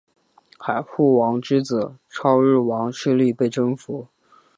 海护王之子超日王势力被征服。